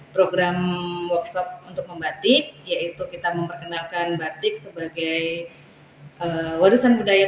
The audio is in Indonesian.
program workshop untuk membatik yaitu kita memperkenalkan batik sebagai warisan budaya